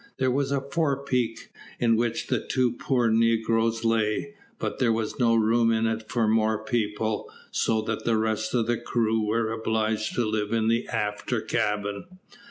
There was a fore peak, in which the two poor negroes lay, but there was no room in it for more people, so that the rest of the crew were obliged to live in the after cabin.